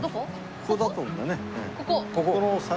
ここだと思うね。